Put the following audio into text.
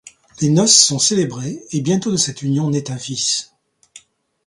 Les noces sont célébrées, et bientôt de cette union naît un fils.